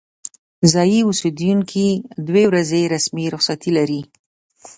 ځايي اوسیدونکي دوې ورځې رسمي رخصتي لري.